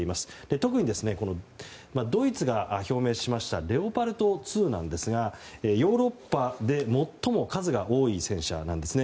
特に、ドイツが表明しましたレオパルト２なんですがヨーロッパで最も数が多い戦車なんですね。